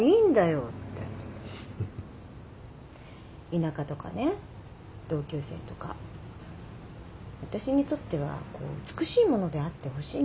田舎とかね同級生とか私にとっては美しいものであってほしいんですよね。